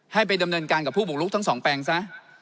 ให้ไปดำเนินการกับผู้บุกลุกทั้งสองแปลงซะ